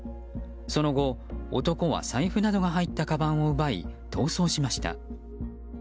その後、男は財布などが入ったかばんなどを奪い逃走しました。